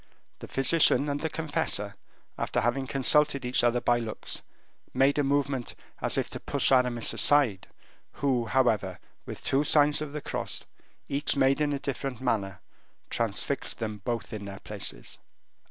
The physician and the confessor, after having consulted each other by looks, made a movement as if to push Aramis aside, who, however, with two signs of the cross, each made in a different manner, transfixed them both in their places.